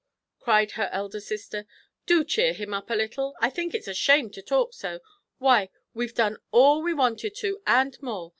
cried her elder sister. "Do cheer him up a little. I think it's a shame to talk so. Why, we've done all we wanted to, and more.